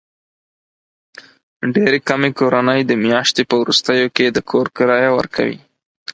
ډېرې کمې کورنۍ د میاشتې په وروستیو کې د کور کرایه ورکوي.